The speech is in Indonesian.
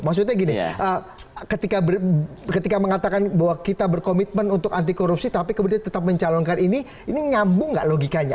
maksudnya gini ketika mengatakan bahwa kita berkomitmen untuk anti korupsi tapi kemudian tetap mencalonkan ini ini nyambung nggak logikanya